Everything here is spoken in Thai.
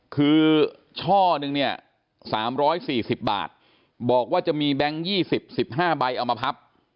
คือช่อนึงเนี่ย๓๔๐บาทบอกว่าจะมีแบงค์๒๐๑๕ใบเอามาพับ